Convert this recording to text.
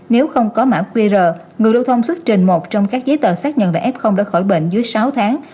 nếu không có mã qr người lưu thông xuất trình một trong các giấy tờ xác nhận và f đã khỏi bệnh dưới sáu tháng